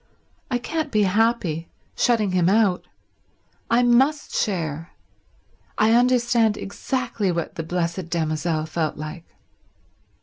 I can't be happy, shutting him out. I must share. I understand exactly what the Blessed Damozel felt like."